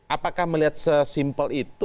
apakah melihat sesimpel itu